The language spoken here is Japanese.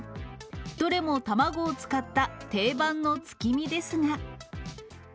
どれも卵を使った定番の月見ですが。